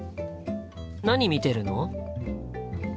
何見てるの？